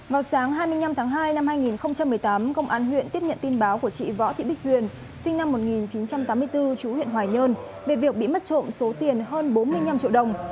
vào sáng hai mươi năm tháng hai năm hai nghìn một mươi tám công an huyện tiếp nhận tin báo của chị võ thị bích huyền sinh năm một nghìn chín trăm tám mươi bốn chú huyện hoài nhơn về việc bị mất trộm số tiền hơn bốn mươi năm triệu đồng